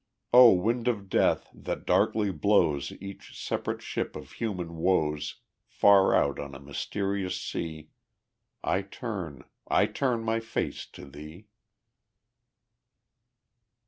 O wind of death, that darkly blows Each separate ship of human woes Far out on a mysterious sea, I turn, I turn my face to thee.